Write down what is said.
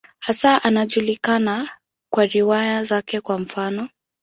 Hasa anajulikana kwa riwaya zake, kwa mfano.